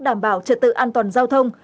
đảm bảo trật tự an toàn giao thông